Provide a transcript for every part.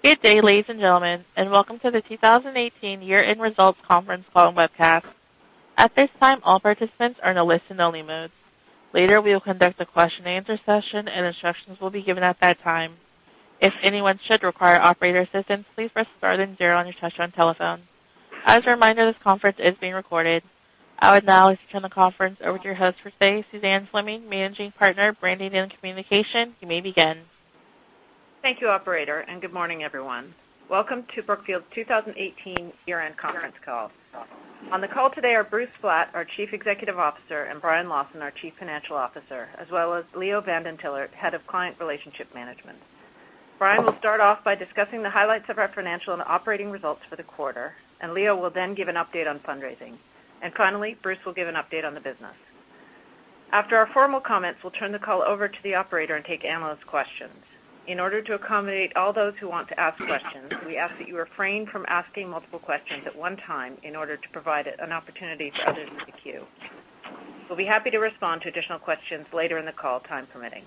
Good day, ladies and gentlemen, and welcome to the 2018 year-end results conference call and webcast. At this time, all participants are in a listen-only mode. Later, we will conduct a question and answer session, and instructions will be given at that time. If anyone should require operator assistance, please press star then zero on your touch-tone telephone. As a reminder, this conference is being recorded. I would now like to turn the conference over to your host for today, Suzanne Fleming, Managing Partner, Branding & Communications, Brookfield. You may begin. Thank you, operator. Good morning, everyone. Welcome to Brookfield's 2018 year-end conference call. On the call today are Bruce Flatt, our Chief Executive Officer, and Brian Lawson, our Chief Financial Officer, as well as Leo van den Thillart, Head of Client Relationship Management. Brian will start off by discussing the highlights of our financial and operating results for the quarter. Leo will then give an update on fundraising. Finally, Bruce will give an update on the business. After our formal comments, we'll turn the call over to the operator and take analyst questions. In order to accommodate all those who want to ask questions, we ask that you refrain from asking multiple questions at one time in order to provide an opportunity for others in the queue. We'll be happy to respond to additional questions later in the call, time permitting.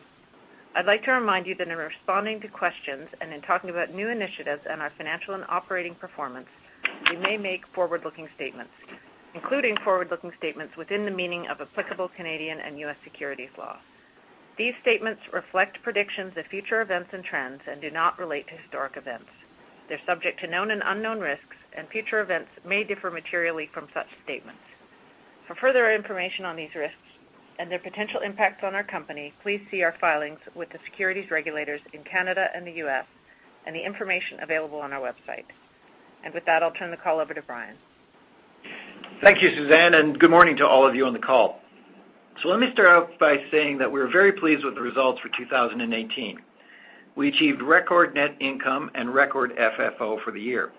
I'd like to remind you that in responding to questions and in talking about new initiatives and our financial and operating performance, we may make forward-looking statements, including forward-looking statements within the meaning of applicable Canadian and U.S. securities law. These statements reflect predictions of future events and trends and do not relate to historic events. They're subject to known and unknown risks. Future events may differ materially from such statements. For further information on these risks and their potential impacts on our company, please see our filings with the securities regulators in Canada and the U.S. and the information available on our website. With that, I'll turn the call over to Brian. Thank you, Suzanne. Good morning to all of you on the call. Let me start out by saying that we're very pleased with the results for 2018. We achieved record net income and record FFO for the year.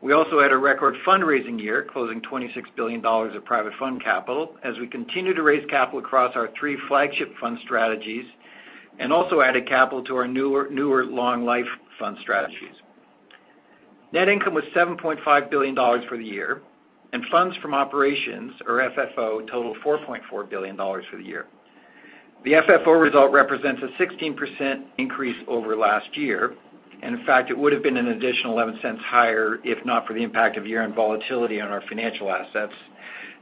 We also had a record fundraising year, closing $26 billion of private fund capital as we continue to raise capital across our three flagship fund strategies and also added capital to our newer long life fund strategies. Net income was $7.5 billion for the year. Funds from operations, or FFO, totaled $4.4 billion for the year. The FFO result represents a 16% increase over last year. In fact, it would have been an additional $0.11 higher if not for the impact of year-end volatility on our financial assets.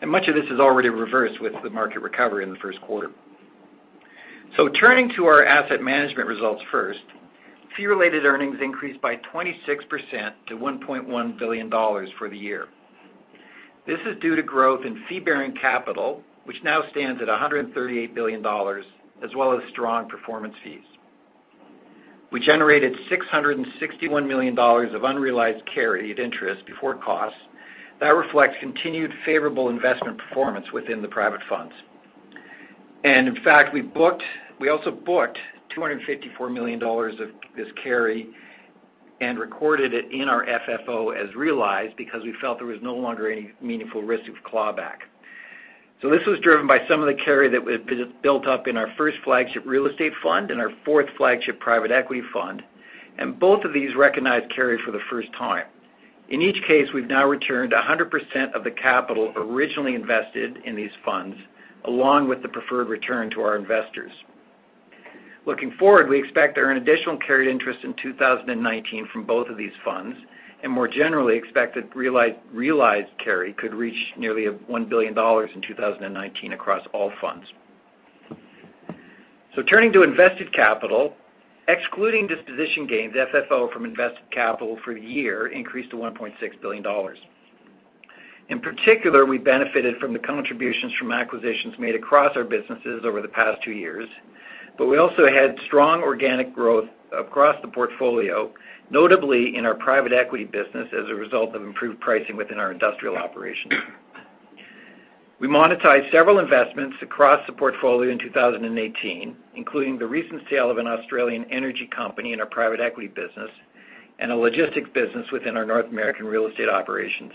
Much of this is already reversed with the market recovery in the first quarter. Turning to our asset management results first, fee-related earnings increased by 26% to $1.1 billion for the year. This is due to growth in fee-bearing capital, which now stands at $138 billion, as well as strong performance fees. We generated $661 million of unrealized carried interest before costs. That reflects continued favorable investment performance within the private funds. In fact, we also booked $254 million of this carry and recorded it in our FFO as realized because we felt there was no longer any meaningful risk of clawback. This was driven by some of the carry that was built up in our first flagship real estate fund and our fourth flagship private equity fund, and both of these recognized carry for the first time. In each case, we've now returned 100% of the capital originally invested in these funds, along with the preferred return to our investors. Looking forward, we expect to earn additional carried interest in 2019 from both of these funds, and more generally expect that realized carry could reach nearly $1 billion in 2019 across all funds. Turning to invested capital, excluding disposition gains, FFO from invested capital for the year increased to $1.6 billion. In particular, we benefited from the contributions from acquisitions made across our businesses over the past two years, but we also had strong organic growth across the portfolio, notably in our private equity business as a result of improved pricing within our industrial operations. We monetized several investments across the portfolio in 2018, including the recent sale of an Australian energy company in our private equity business and a logistics business within our North American real estate operations.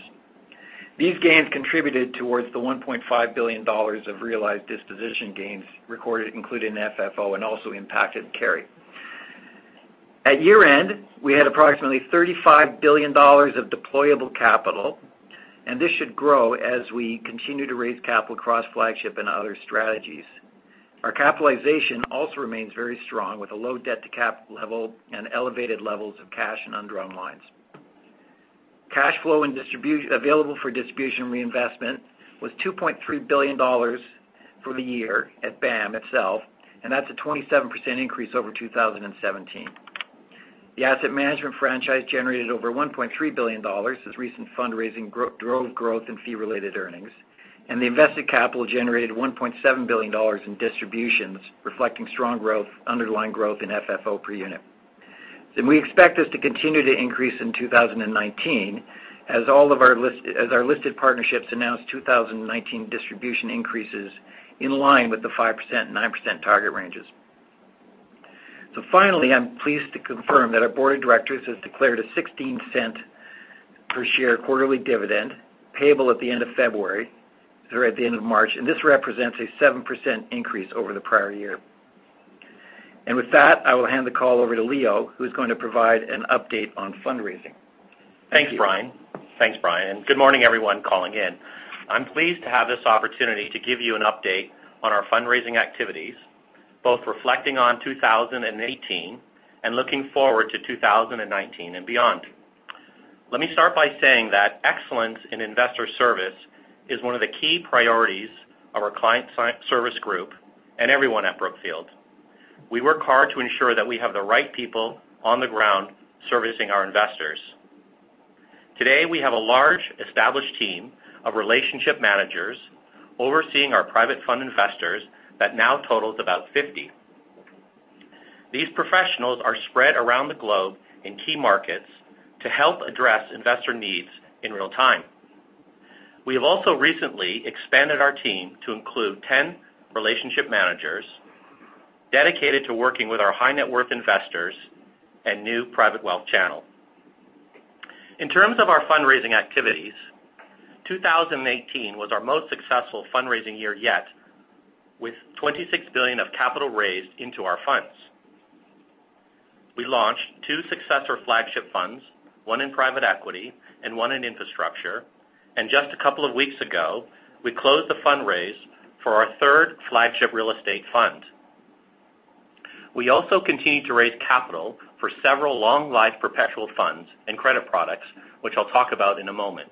These gains contributed towards the $1.5 billion of realized disposition gains recorded, including the FFO and also impacted carry. At year-end, we had approximately $35 billion of deployable capital, and this should grow as we continue to raise capital across flagship and other strategies. Our capitalization also remains very strong, with a low debt to capital level and elevated levels of cash and undrawn lines. Cash flow available for distribution reinvestment was $2.3 billion for the year at BAM itself, and that's a 27% increase over 2017. The asset management franchise generated over $1.3 billion as recent fundraising drove growth in fee-related earnings, and the invested capital generated $1.7 billion in distributions, reflecting strong underlying growth in FFO per unit. We expect this to continue to increase in 2019 as our listed partnerships announce 2019 distribution increases in line with the 5%-9% target ranges. Finally, I'm pleased to confirm that our board of directors has declared a $0.16 per share quarterly dividend payable at the end of March, and this represents a 7% increase over the prior year. With that, I will hand the call over to Leo, who's going to provide an update on fundraising. Thanks, Brian. Thanks, Brian. Good morning, everyone calling in. I am pleased to have this opportunity to give you an update on our fundraising activities, both reflecting on 2018 and looking forward to 2019 and beyond. Let me start by saying that excellence in investor service is one of the key priorities of our client service group and everyone at Brookfield. We work hard to ensure that we have the right people on the ground servicing our investors. Today, we have a large established team of relationship managers overseeing our private fund investors that now totals about 50. These professionals are spread around the globe in key markets to help address investor needs in real time. We have also recently expanded our team to include 10 relationship managers dedicated to working with our high-net-worth investors and new private wealth channel. In terms of our fundraising activities, 2018 was our most successful fundraising year yet, with $26 billion of capital raised into our funds. We launched two successor flagship funds, one in private equity and one in infrastructure, and just a couple of weeks ago, we closed the fundraise for our third flagship real estate fund. We also continue to raise capital for several long-life perpetual funds and credit products, which I will talk about in a moment.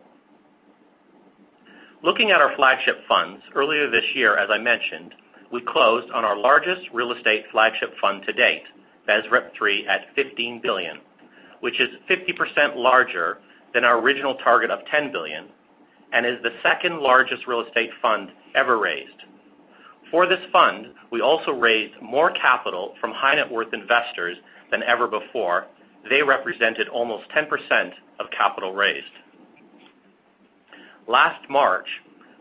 Looking at our flagship funds earlier this year, as I mentioned, we closed on our largest real estate flagship fund to date, BSREP III at $15 billion, which is 50% larger than our original target of $10 billion and is the second-largest real estate fund ever raised. For this fund, we also raised more capital from high-net-worth investors than ever before. They represented almost 10% of capital raised. Last March,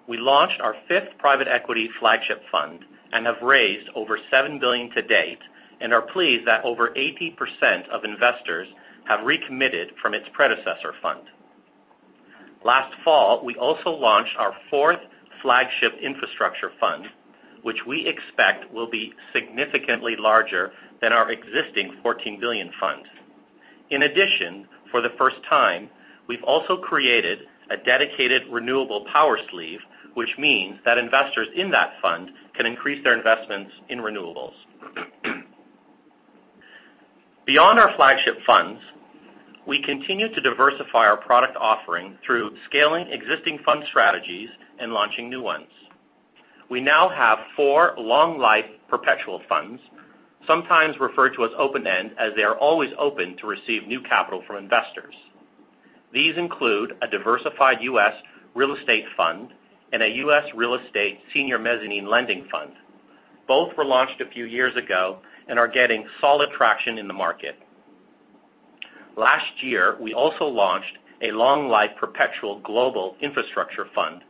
we launched our fifth private equity flagship fund and have raised over $7 billion to date and are pleased that over 80% of investors have recommitted from its predecessor fund. Last fall, we also launched our fourth flagship infrastructure fund, which we expect will be significantly larger than our existing $14 billion fund. In addition, for the first time, we have also created a dedicated renewable power sleeve, which means that investors in that fund can increase their investments in renewables. Beyond our flagship funds, we continue to diversify our product offering through scaling existing fund strategies and launching new ones. We now have four long-life perpetual funds, sometimes referred to as open-end, as they are always open to receive new capital from investors. These include a diversified U.S. real estate fund and a U.S. real estate senior mezzanine lending fund. Both were launched a few years ago and are getting solid traction in the market. Last year, we also launched a long-life perpetual global infrastructure fund,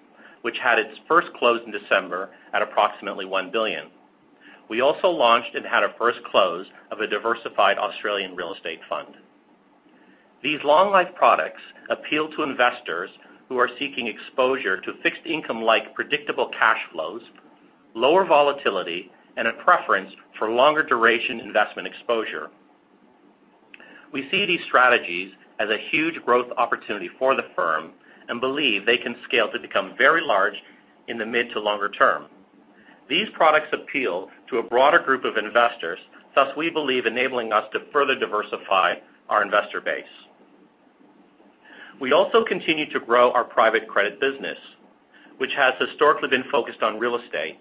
which had its first close in December at approximately $1 billion. We also launched and had a first close of a diversified Australian real estate fund. These long-life products appeal to investors who are seeking exposure to fixed income like predictable cash flows, lower volatility, and a preference for longer duration investment exposure. We see these strategies as a huge growth opportunity for the firm and believe they can scale to become very large in the mid to longer term. These products appeal to a broader group of investors, thus we believe enabling us to further diversify our investor base. We also continue to grow our private credit business, which has historically been focused on real estate.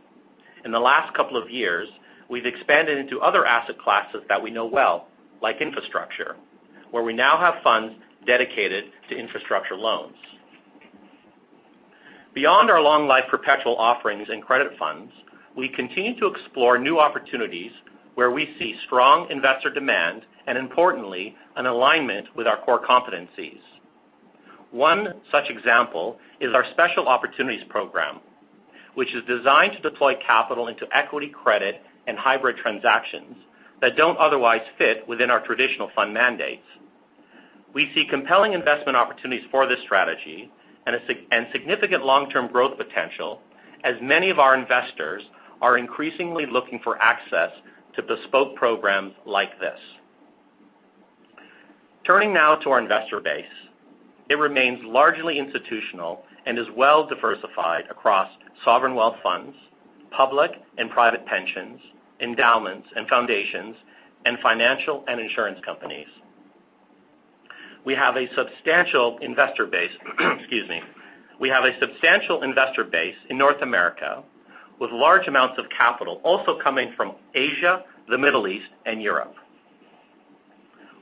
In the last couple of years, we've expanded into other asset classes that we know well, like infrastructure, where we now have funds dedicated to infrastructure loans. Beyond our long-life perpetual offerings and credit funds, we continue to explore new opportunities where we see strong investor demand and importantly, an alignment with our core competencies. One such example is our Special Opportunities Program, which is designed to deploy capital into equity credit and hybrid transactions that don't otherwise fit within our traditional fund mandates. We see compelling investment opportunities for this strategy and significant long-term growth potential as many of our investors are increasingly looking for access to bespoke programs like this. Turning now to our investor base. It remains largely institutional and is well diversified across sovereign wealth funds, public and private pensions, endowments and foundations, and financial and insurance companies. We have a substantial investor base, excuse me, we have a substantial investor base in North America with large amounts of capital also coming from Asia, the Middle East, and Europe.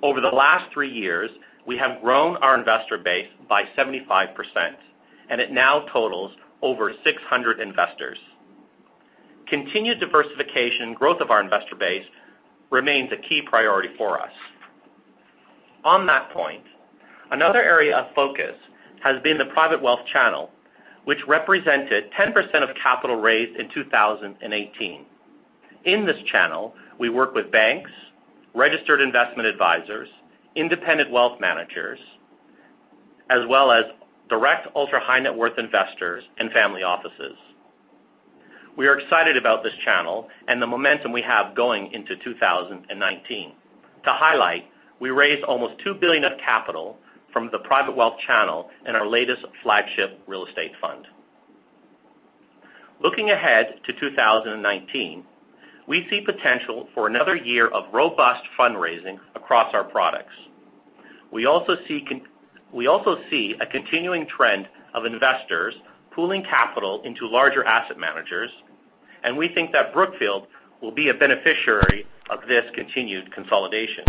Over the last three years, we have grown our investor base by 75%, and it now totals over 600 investors. Continued diversification growth of our investor base remains a key priority for us. On that point, another area of focus has been the private wealth channel, which represented 10% of capital raised in 2018. In this channel, we work with banks, registered investment advisors, independent wealth managers, as well as direct ultra high-net-worth investors and family offices. We are excited about this channel and the momentum we have going into 2019. To highlight, we raised almost $2 billion of capital from the private wealth channel in our latest flagship real estate fund. Looking ahead to 2019, we see potential for another year of robust fundraising across our products. We also see a continuing trend of investors pooling capital into larger asset managers, and we think that Brookfield will be a beneficiary of this continued consolidation.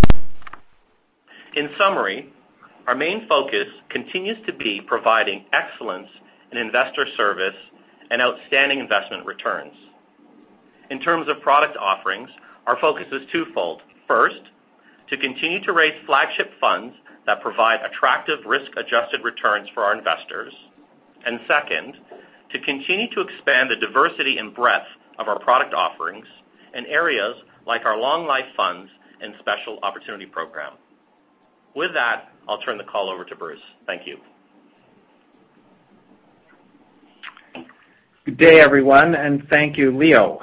In summary, our main focus continues to be providing excellence in investor service and outstanding investment returns. In terms of product offerings, our focus is twofold. First, to continue to raise flagship funds that provide attractive risk-adjusted returns for our investors. Second, to continue to expand the diversity and breadth of our product offerings in areas like our Long Life funds and Special Opportunity Program. With that, I'll turn the call over to Bruce. Thank you. Good day, everyone, and thank you, Leo.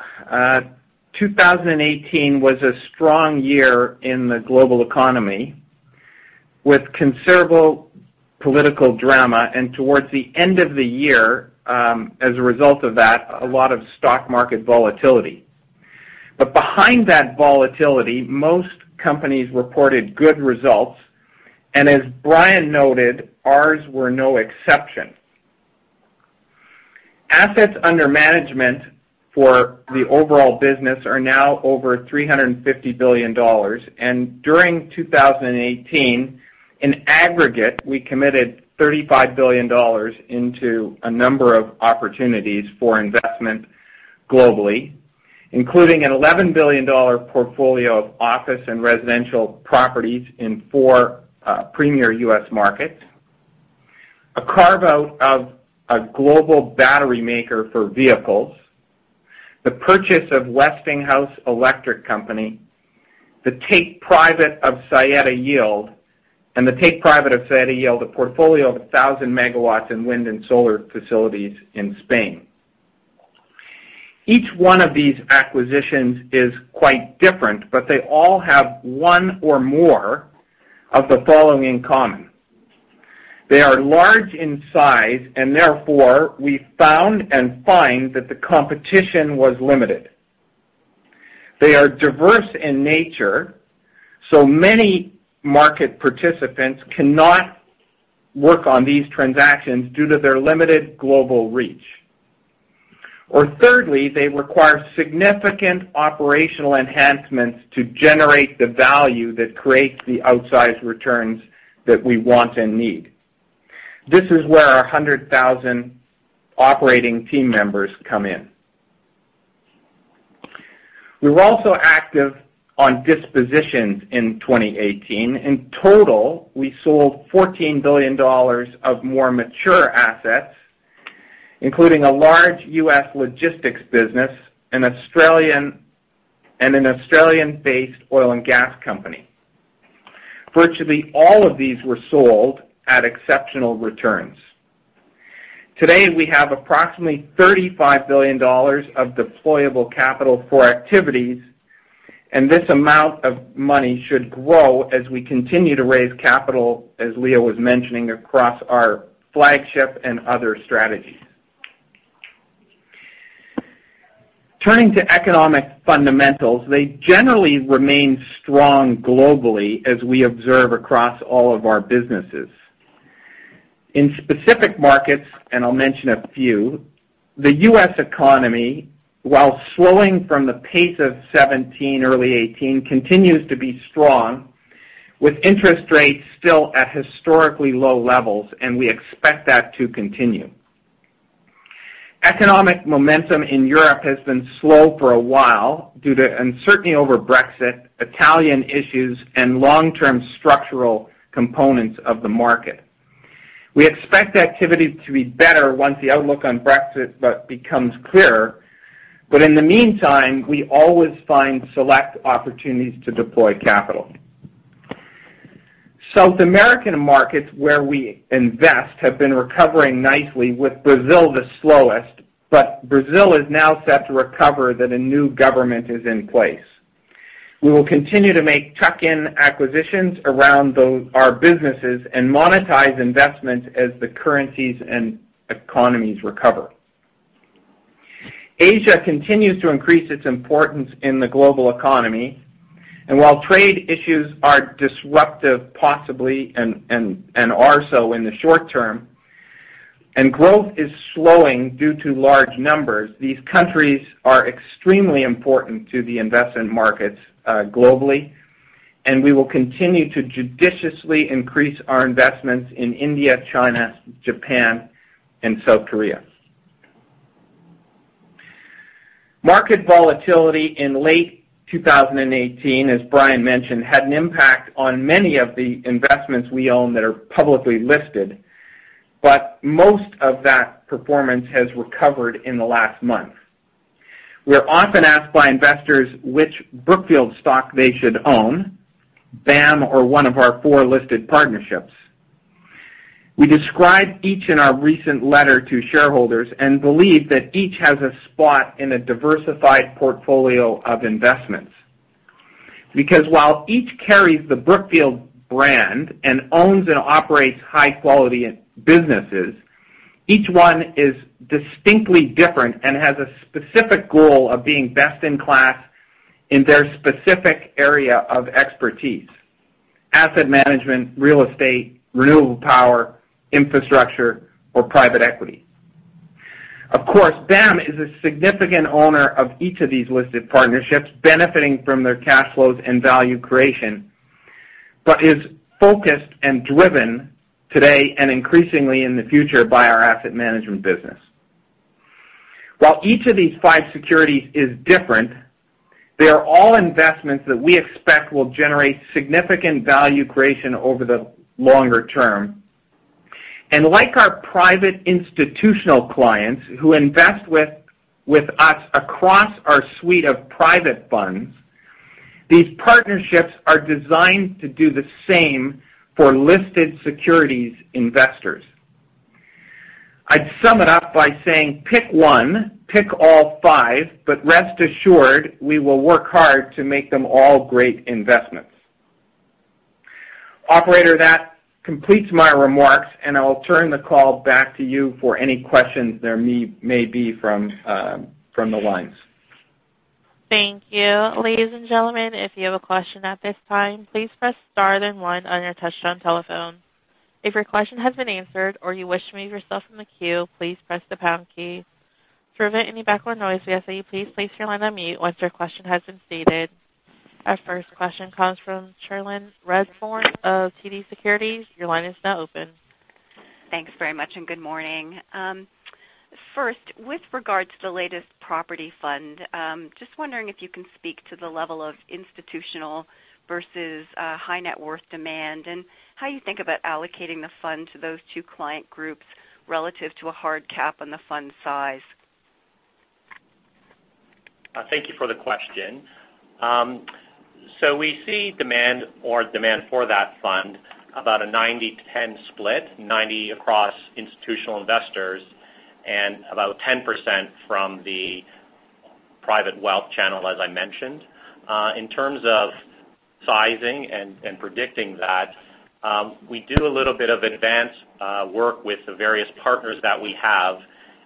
2018 was a strong year in the global economy, with considerable political drama, towards the end of the year, as a result of that, a lot of stock market volatility. Behind that volatility, most companies reported good results. As Brian noted, ours were no exception. Assets under management for the overall business are now over $350 billion. During 2018, in aggregate, we committed $35 billion into a number of opportunities for investment globally, including an $11 billion portfolio of office and residential properties in four premier U.S. markets, a carve-out of a global battery maker for vehicles, the purchase of Westinghouse Electric Company, the take private of Saeta Yield, a portfolio of 1,000 megawatts in wind and solar facilities in Spain. Each one of these acquisitions is quite different, but they all have one or more of the following in common. They are large in size, therefore we found and find that the competition was limited. They are diverse in nature, many market participants cannot work on these transactions due to their limited global reach. Thirdly, they require significant operational enhancements to generate the value that creates the outsized returns that we want and need. This is where our 100,000 operating team members come in. We were also active on dispositions in 2018. In total, we sold $14 billion of more mature assets, including a large U.S. logistics business and an Australian-based oil and gas company. Virtually all of these were sold at exceptional returns. Today, we have approximately $35 billion of deployable capital for activities, this amount of money should grow as we continue to raise capital, as Leo was mentioning, across our flagship and other strategies. Turning to economic fundamentals, they generally remain strong globally as we observe across all of our businesses. In specific markets, I'll mention a few, the U.S. economy, while slowing from the pace of 2017, early 2018, continues to be strong, with interest rates still at historically low levels, we expect that to continue. Economic momentum in Europe has been slow for a while due to uncertainty over Brexit, Italian issues, and long-term structural components of the market. We expect activity to be better once the outlook on Brexit becomes clearer. In the meantime, we always find select opportunities to deploy capital. South American markets where we invest have been recovering nicely, with Brazil the slowest. Brazil is now set to recover that a new government is in place. We will continue to make tuck-in acquisitions around our businesses and monetize investments as the currencies and economies recover. Asia continues to increase its importance in the global economy. While trade issues are disruptive, possibly, are so in the short term, growth is slowing due to large numbers, these countries are extremely important to the investment markets globally, we will continue to judiciously increase our investments in India, China, Japan, and South Korea. Market volatility in late 2018, as Brian mentioned, had an impact on many of the investments we own that are publicly listed, most of that performance has recovered in the last month. We're often asked by investors which Brookfield stock they should own, BAM or one of our four listed partnerships. We described each in our recent letter to shareholders and believe that each has a spot in a diversified portfolio of investments. While each carries the Brookfield brand and owns and operates high-quality businesses, each one is distinctly different and has a specific goal of being best in class in their specific area of expertise: asset management, real estate, renewable power, infrastructure, or private equity. Of course, BAM is a significant owner of each of these listed partnerships, benefiting from their cash flows and value creation, is focused and driven today and increasingly in the future by our asset management business. While each of these five securities is different, they are all investments that we expect will generate significant value creation over the longer term. Like our private institutional clients who invest with us across our suite of private funds, these partnerships are designed to do the same for listed securities investors. I'd sum it up by saying pick one, pick all five, but rest assured we will work hard to make them all great investments. Operator, that completes my remarks, and I will turn the call back to you for any questions there may be from the lines. Thank you. Ladies and gentlemen, if you have a question at this time, please press star one on your touchtone telephone. If your question has been answered or you wish to remove yourself from the queue, please press the pound key. To prevent any background noise, we ask that you please place your line on mute once your question has been stated. Our first question comes from Cherilyn Radbourne of TD Securities. Your line is now open. Thanks very much, and good morning. First, with regards to the latest property fund, just wondering if you can speak to the level of institutional versus high net worth demand and how you think about allocating the fund to those two client groups relative to a hard cap on the fund size. Thank you for the question. We see demand for that fund about a 90/10 split, 90 across institutional investors and about 10% from the private wealth channel, as I mentioned. In terms of sizing and predicting that, we do a little bit of advance work with the various partners that we have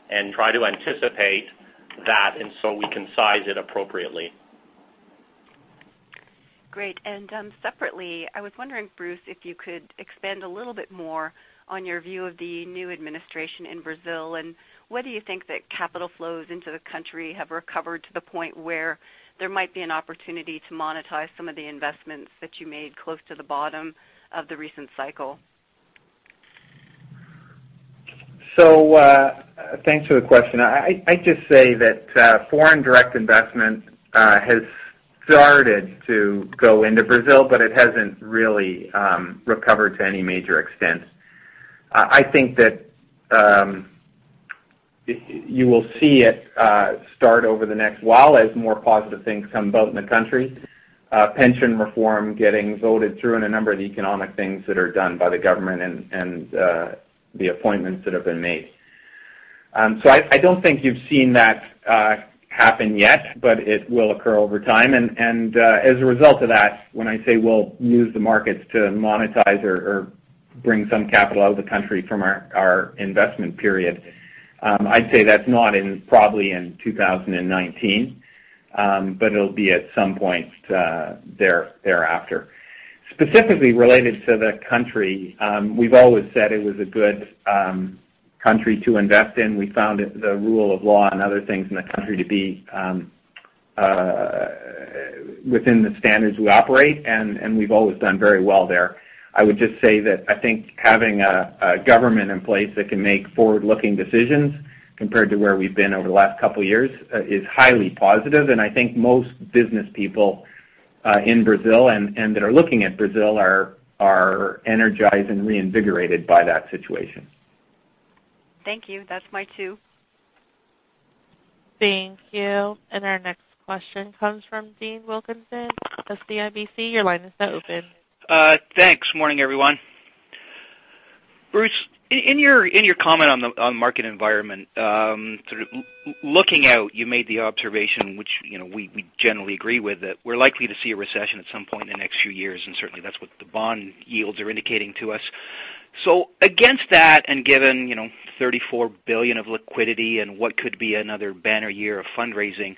and try to anticipate that, and so we can size it appropriately. Great. Separately, I was wondering, Bruce, if you could expand a little bit more on your view of the new administration in Brazil, and whether you think that capital flows into the country have recovered to the point where there might be an opportunity to monetize some of the investments that you made close to the bottom of the recent cycle. Thanks for the question. I'd just say that foreign direct investment has started to go into Brazil, but it hasn't really recovered to any major extent. I think that you will see it start over the next while as more positive things come about in the country. Pension reform getting voted through, and a number of the economic things that are done by the government and the appointments that have been made. I don't think you've seen that happen yet, but it will occur over time. As a result of that, when I say we'll use the markets to monetize or bring some capital out of the country from our investment period, I'd say that's not in probably in 2019. It'll be at some point thereafter. Specifically related to the country, we've always said it was a good country to invest in. We found the rule of law and other things in the country to be within the standards we operate, and we've always done very well there. I would just say that I think having a government in place that can make forward-looking decisions compared to where we've been over the last couple of years is highly positive, and I think most business people in Brazil and that are looking at Brazil are energized and reinvigorated by that situation. Thank you. That's my cue. Thank you. Our next question comes from Dean Wilkinson of CIBC. Your line is now open. Thanks. Morning, everyone. Bruce, in your comment on the market environment, sort of looking out, you made the observation, which we generally agree with, that we're likely to see a recession at some point in the next few years, and certainly, that's what the bond yields are indicating to us. Against that, and given $34 billion of liquidity and what could be another banner year of fundraising,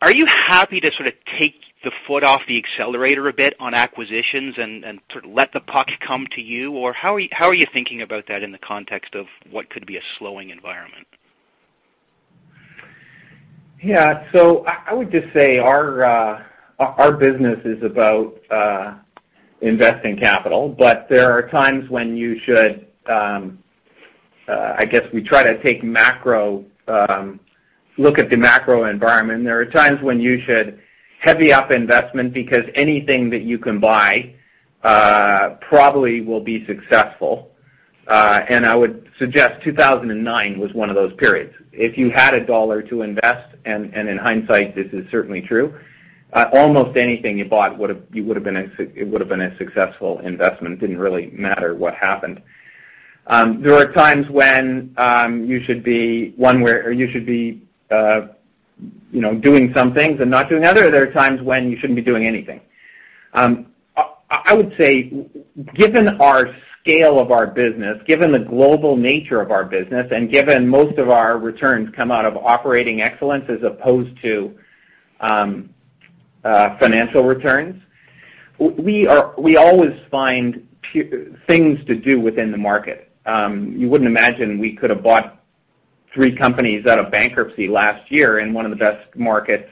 are you happy to sort of take the foot off the accelerator a bit on acquisitions and sort of let the puck come to you? How are you thinking about that in the context of what could be a slowing environment? Yeah. I would just say our business is about investing capital, but there are times when I guess we try to look at the macro environment. There are times when you should heavy up investment because anything that you can buy probably will be successful. I would suggest 2009 was one of those periods. If you had $1 to invest, and in hindsight, this is certainly true. Almost anything you bought it would've been a successful investment. Didn't really matter what happened. There are times when you should be doing some things and not doing other. There are times when you shouldn't be doing anything. I would say, given our scale of our business, given the global nature of our business, and given most of our returns come out of operating excellence as opposed to financial returns, we always find things to do within the market. You wouldn't imagine we could've bought three companies out of bankruptcy last year in one of the best markets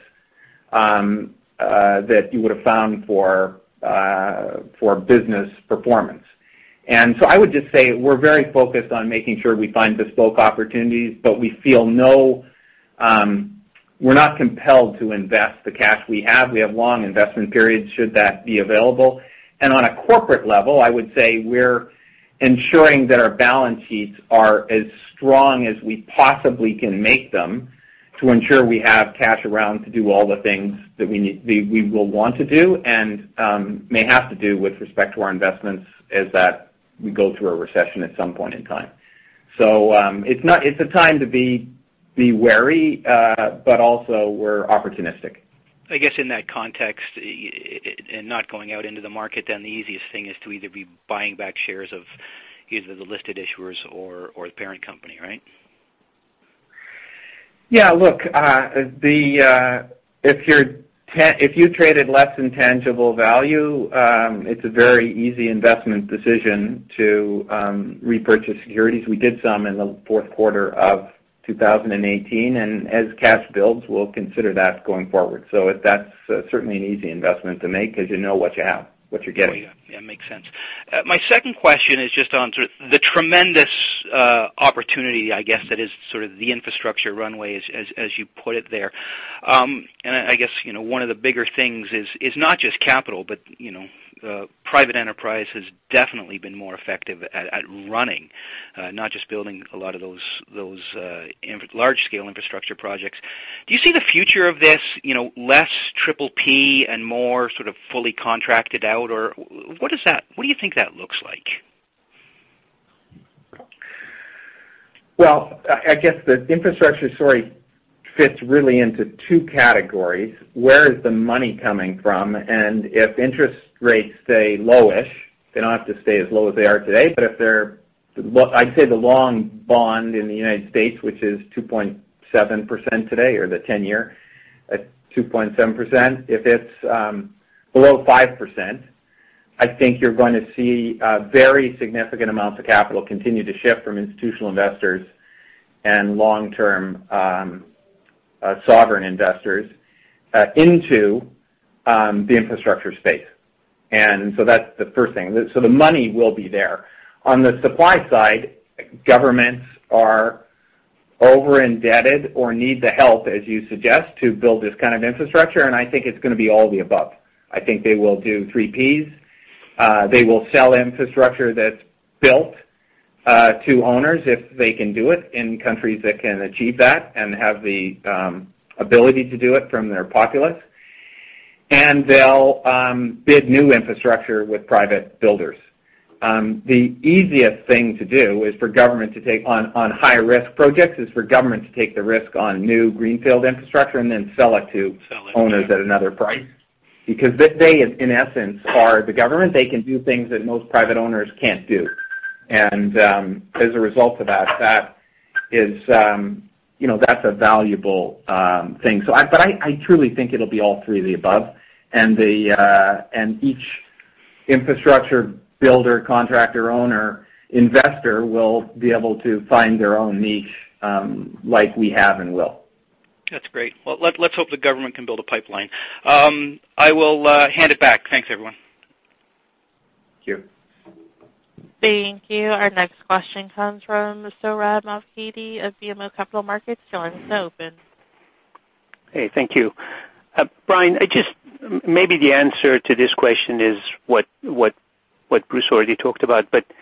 that you would've found for business performance. I would just say we're very focused on making sure we find bespoke opportunities, but we feel we're not compelled to invest the cash we have. We have long investment periods, should that be available. On a corporate level, I would say we're ensuring that our balance sheets are as strong as we possibly can make them to ensure we have cash around to do all the things that we will want to do and may have to do with respect to our investments, as that we go through a recession at some point in time. It's a time to be wary, but also we're opportunistic. I guess in that context, in not going out into the market, the easiest thing is to either be buying back shares of either the listed issuers or the parent company, right? Yeah. Look, if you traded less than tangible value, it's a very easy investment decision to repurchase securities. We did some in the fourth quarter of 2018, as cash builds, we'll consider that going forward. That's certainly an easy investment to make because you know what you have, what you're getting. Oh, yeah. That makes sense. My second question is just on sort of the tremendous opportunity, I guess, that is sort of the infrastructure runway, as you put it there. I guess one of the bigger things is not just capital, but private enterprise has definitely been more effective at running, not just building a lot of those large-scale infrastructure projects. Do you see the future of this less P3 and more sort of fully contracted out? What do you think that looks like? Well, I guess the infrastructure story fits really into 2 categories. Where is the money coming from? If interest rates stay low-ish, they don't have to stay as low as they are today, but I'd say the long bond in the United States, which is 2.7% today, or the 10-year at 2.7%, if it's below 5%, I think you're going to see very significant amounts of capital continue to shift from institutional investors and long-term sovereign investors into the infrastructure space. That's the first thing. The money will be there. On the supply side, governments are over-indebted or need the help, as you suggest, to build this kind of infrastructure, I think it's going to be all the above. I think they will do three P3s. They will sell infrastructure that's built to owners if they can do it in countries that can achieve that and have the ability to do it from their populace. They'll bid new infrastructure with private builders. The easiest thing to do is for government to take on high-risk projects, is for government to take the risk on new greenfield infrastructure and then sell it to owners at another price. They, in essence, are the government. They can do things that most private owners can't do. As a result of that's a valuable thing. I truly think it'll be all three of the above, and each infrastructure builder, contractor, owner, investor will be able to find their own niche, like we have and will. That's great. Well, let's hope the government can build a pipeline. I will hand it back. Thanks, everyone. Thank you. Thank you. Our next question comes from Sohrab Movahedi of BMO Capital Markets. Your line is now open. Hey, thank you. Brian, maybe the answer to this question is what Bruce already talked about, the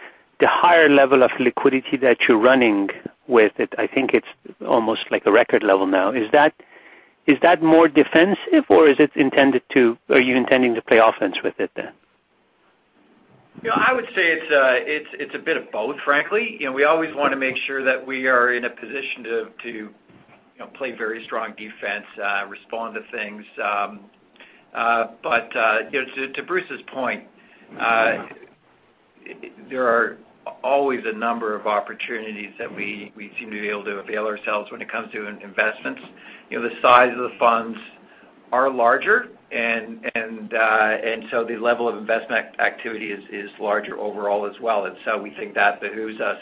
higher level of liquidity that you're running with it, I think it's almost like a record level now. Is that more defensive, or are you intending to play offense with it then? I would say it's a bit of both, frankly. We always want to make sure that we are in a position to play very strong defense, respond to things. To Bruce's point, there are always a number of opportunities that we seem to be able to avail ourselves when it comes to investments. The size of the funds are larger, the level of investment activity is larger overall as well. We think that behooves us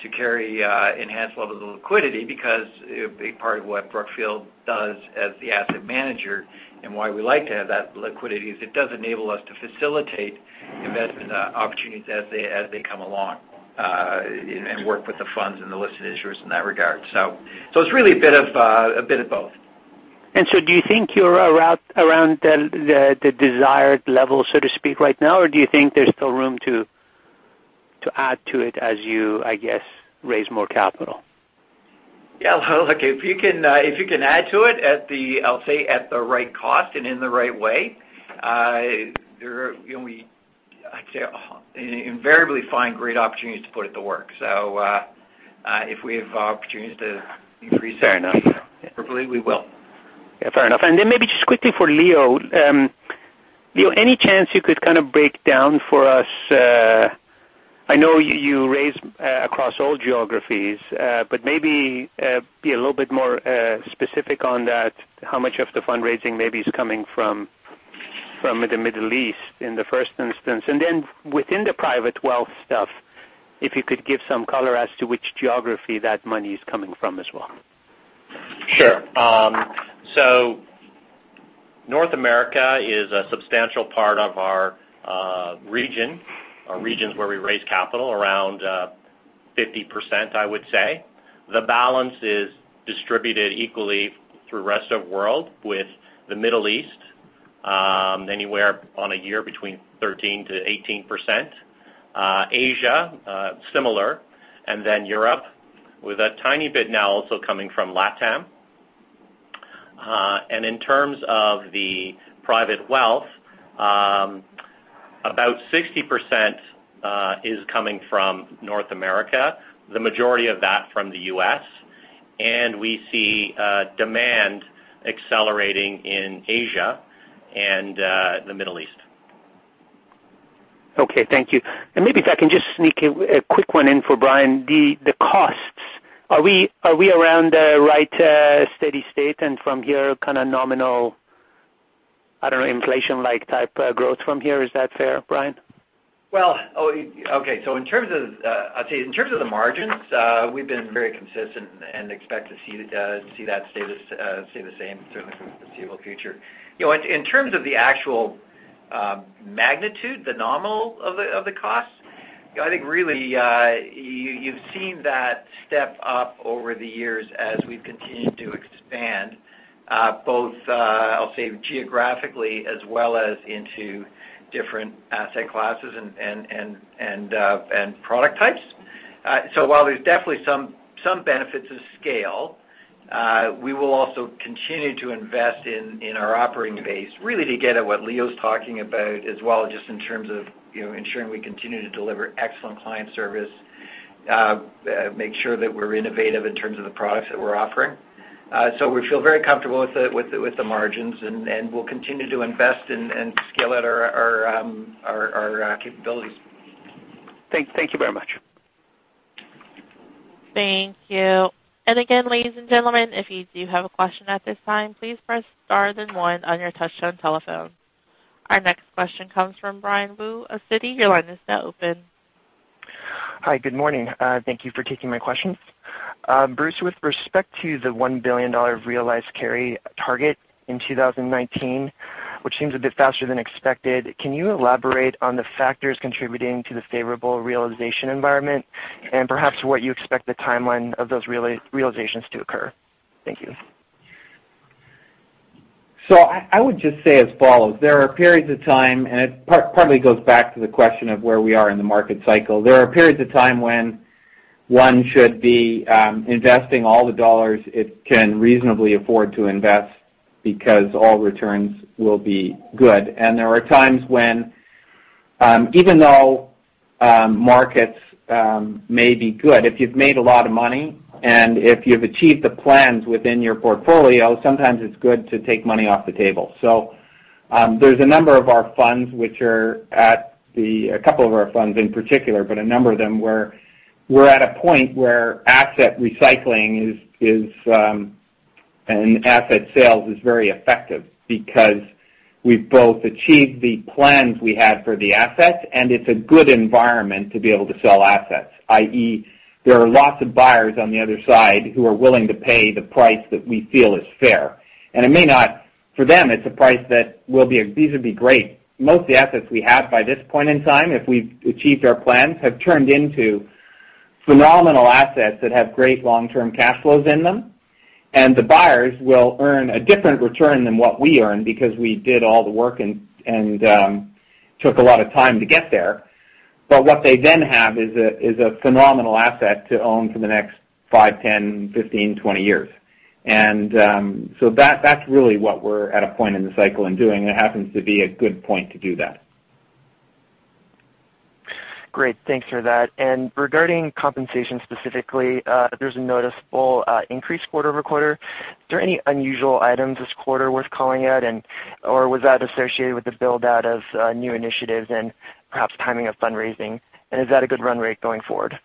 to carry enhanced levels of liquidity because a big part of what Brookfield does as the asset manager and why we like to have that liquidity is it does enable us to facilitate investment opportunities as they come along, and work with the funds and the listed issuers in that regard. It's really a bit of both. Do you think you're around the desired level, so to speak, right now? Do you think there's still room to add to it as you, I guess, raise more capital? Yeah. Look, if you can add to it at the, I'll say, at the right cost and in the right way, I'd say invariably find great opportunities to put it to work. If we have opportunities to increase that- Fair enough probably we will. Yeah. Fair enough. Maybe just quickly for Leo. Leo, any chance you could kind of break down for us I know you raise across all geographies but maybe be a little bit more specific on that, how much of the fundraising maybe is coming from the Middle East in the first instance, and then within the private wealth stuff, if you could give some color as to which geography that money is coming from as well. Sure. North America is a substantial part of our region, our regions where we raise capital around 50%, I would say. The balance is distributed equally through rest of world with the Middle East, anywhere on a year between 13%-18%. Asia similar. Europe with a tiny bit now also coming from LATAM. In terms of the private wealth, about 60% is coming from North America, the majority of that from the U.S., we see demand accelerating in Asia and the Middle East. Okay. Thank you. Maybe if I can just sneak a quick one in for Brian, the costs. Are we around the right steady state and from here kind of nominal, I don't know, inflation type growth from here? Is that fair, Brian? Well, okay. In terms of the margins, we've been very consistent and expect to see that stay the same certainly for the foreseeable future. In terms of the actual magnitude, the nominal of the cost, I think really you've seen that step up over the years as we've continued to expand both, I'll say, geographically as well as into different asset classes and product types. While there's definitely some benefits of scale, we will also continue to invest in our operating base really to get at what Leo's talking about as well, just in terms of ensuring we continue to deliver excellent client service, make sure that we're innovative in terms of the products that we're offering. We feel very comfortable with the margins, and we'll continue to invest and scale out our capabilities. Thank you very much. Thank you. Again, ladies and gentlemen, if you do have a question at this time, please press star then one on your touchtone telephone. Our next question comes from Brian Wu of Citi. Your line is now open. Hi. Good morning. Thank you for taking my questions. Bruce, with respect to the $1 billion realized carry target in 2019, which seems a bit faster than expected, can you elaborate on the factors contributing to the favorable realization environment and perhaps what you expect the timeline of those realizations to occur? Thank you. I would just say as follows. There are periods of time, and it probably goes back to the question of where we are in the market cycle. There are periods of time when one should be investing all the dollars it can reasonably afford to invest because all returns will be good. There are times when even though markets may be good, if you've made a lot of money and if you've achieved the plans within your portfolio, sometimes it's good to take money off the table. There's a number of our funds a couple of our funds in particular, but a number of them where we're at a point where asset recycling and asset sales is very effective because we've both achieved the plans we had for the assets, and it's a good environment to be able to sell assets, i.e., there are lots of buyers on the other side who are willing to pay the price that we feel is fair. For them, it's a price that these would be great. Most of the assets we have by this point in time, if we've achieved our plans, have turned into phenomenal assets that have great long-term cash flows in them, and the buyers will earn a different return than what we earn because we did all the work and took a lot of time to get there. What they then have is a phenomenal asset to own for the next five, 10, 15, 20 years. That's really what we're at a point in the cycle in doing. It happens to be a good point to do that. Great. Thanks for that. Regarding compensation specifically, there is a noticeable increase quarter-over-quarter. Is there any unusual items this quarter worth calling out? Was that associated with the build-out of new initiatives and perhaps timing of fundraising? Is that a good run rate going forward?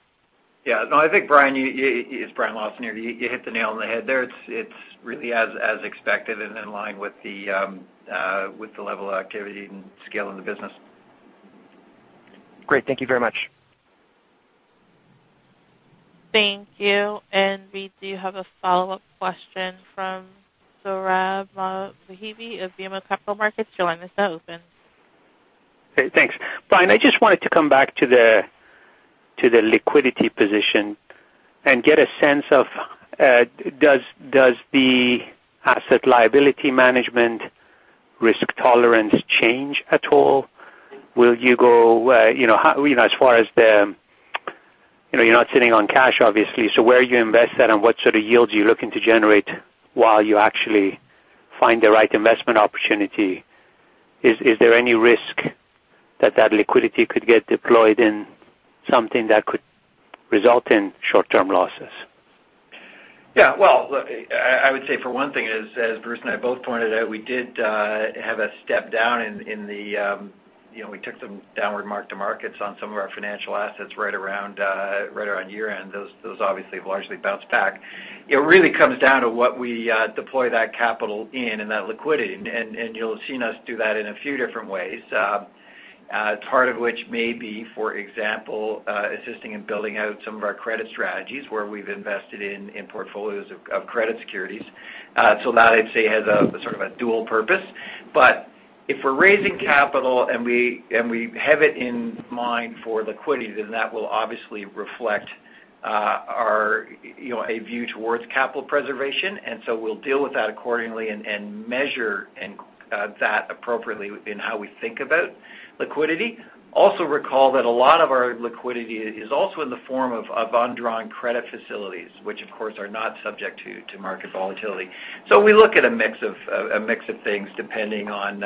Yeah. No, I think Brian, it is Brian Lawson here, you hit the nail on the head there. It is really as expected and in line with the level of activity and scale in the business. Great. Thank you very much. Thank you. We do have a follow-up question from Sohrab Movahedi of BMO Capital Markets. Your line is now open. Okay, thanks. Brian, I just wanted to come back to the liquidity position and get a sense of does the asset liability management risk tolerance change at all? You're not sitting on cash, obviously. Where you invest that and what sort of yields are you looking to generate while you actually find the right investment opportunity? Is there any risk that that liquidity could get deployed in something that could result in short-term losses? Well, I would say for one thing is, as Bruce and I both pointed out, we did have a step down. We took some downward mark-to-markets on some of our financial assets right around year-end. Those obviously have largely bounced back. It really comes down to what we deploy that capital in and that liquidity, and you'll have seen us do that in a few different ways. Part of which may be, for example, assisting in building out some of our credit strategies where we've invested in portfolios of credit securities. That I'd say has a sort of a dual purpose. But if we're raising capital and we have it in mind for liquidity, then that will obviously reflect a view towards capital preservation, and so we'll deal with that accordingly and measure that appropriately in how we think about liquidity. Also recall that a lot of our liquidity is also in the form of undrawn credit facilities, which of course, are not subject to market volatility. We look at a mix of things depending on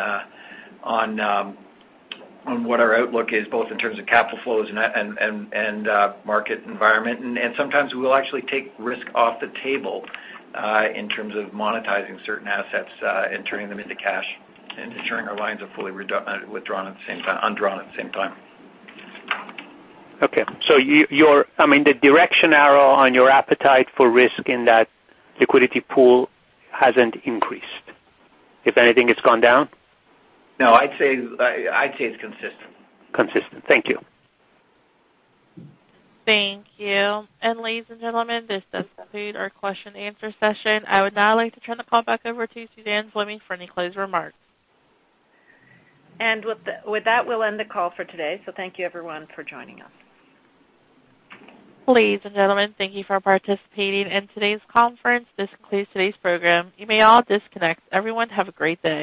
what our outlook is, both in terms of capital flows and market environment. Sometimes we will actually take risk off the table, in terms of monetizing certain assets and turning them into cash and ensuring our lines are fully undrawn at the same time. Okay. The direction arrow on your appetite for risk in that liquidity pool hasn't increased. If anything, it's gone down? I'd say it's consistent. Consistent. Thank you. Thank you. Ladies and gentlemen, this does conclude our question and answer session. I would now like to turn the call back over to Suzanne Fleming for any closing remarks. With that, we'll end the call for today. Thank you everyone for joining us. Ladies and gentlemen, thank you for participating in today's conference. This concludes today's program. You may all disconnect. Everyone, have a great day.